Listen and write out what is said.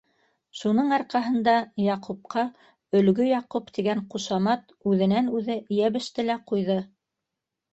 Шуның арҡаһында Яҡупҡа «Өлгө Яҡуп» тигән ҡушамат үҙенән-үҙе йәбеште лә ҡуйҙы.